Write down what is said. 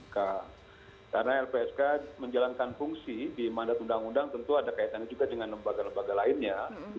karena lpsk menjalankan fungsi di mandat undang undang tentu ada kaitannya juga dengan lembaga lembaga lainnya